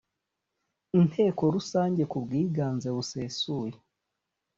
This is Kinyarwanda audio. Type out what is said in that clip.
inteko rusange ku bwiganze busesuye